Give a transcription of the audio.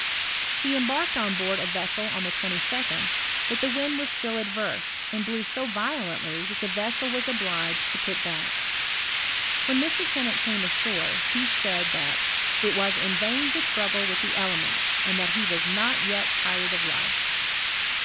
He embarked on board a vessel on the 22d, but the wind was still adverse^ and blew so violently that the vessel was obliged to put back. When Mr. Tennant came ashore, he said that " it was in vain to struggle with the elements, and that he was not yet tired of life.''